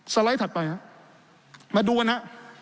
ไลด์ถัดไปฮะมาดูกันฮะ